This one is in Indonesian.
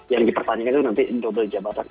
yang dipertanyakan itu nanti double jabatan